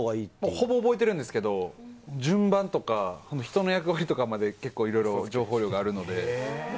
ほぼ覚えてるんですけれど、順番とか人の役割とかまで、結構いろいろ情報量があるので。